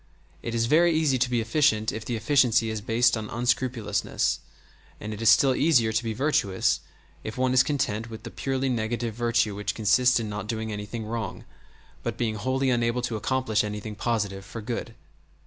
It is very easy to be efficient if the efficiency is based on unscrupulousness, and it is still easier to be virtuous if one is content with the purely negative virtue which consists in not doing anything wrong, but being wholly unable to accomplish anything positive for good.